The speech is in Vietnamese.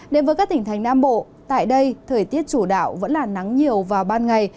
đến với các tỉnh thành nam bộ tại đây thời tiết chủ đạo vẫn là nắng nhiều vào ban ngày